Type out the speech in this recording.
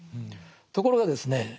ところがですね